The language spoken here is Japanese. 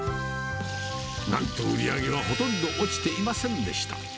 なんと売り上げはほとんど落ちていませんでした。